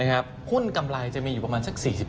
หุ้นกำไรจะมีอยู่ประมาณสัก๔๐